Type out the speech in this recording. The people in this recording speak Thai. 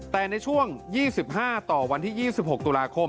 แต่ในช่วง๒๕ต่อวันที่๒๖ตุลาคม